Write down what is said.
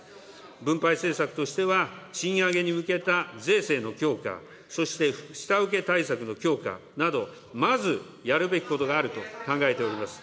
分配政策としては、賃上げに向けた税制の強化、そして下請け対策の強化など、まずやるべきことがあると考えております。